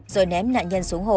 rồi ném nạn nhân xuống hồ